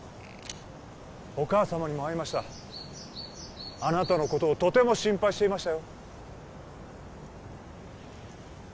お母様にも会いましたあなたのことをとても心配していましたよ